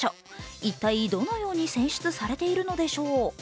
一体どのように選出されているのでしょう。